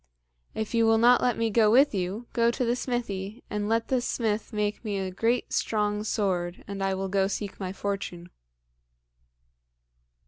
"If you will not let me go with you, go to the smithy, and let the smith make me a great strong sword, and I will go seek my fortune."